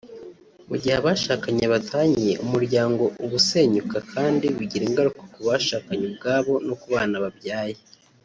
Mu gihe abashakanye batanye umuryango uba usenyuka kandi bigira ingaruka ku bashakanye ubwabo no ku bana babyaye